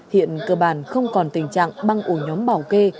hiện cơ bản không còn tình trạng băng ổ nhóm bảo kê